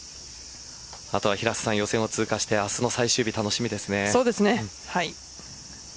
平瀬さん、予選を通過して明日の最終日、楽しみですね。